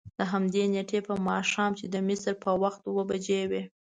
دهمدې نېټې په ماښام چې د مصر په وخت اوه بجې وې.